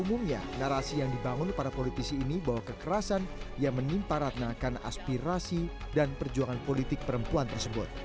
umumnya narasi yang dibangun para politisi ini bahwa kekerasan yang menimpa ratna karena aspirasi dan perjuangan politik perempuan tersebut